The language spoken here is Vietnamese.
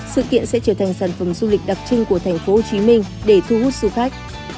sự kiện sẽ trở thành sản phẩm du lịch đặc trưng của tp hcm để thu hút du khách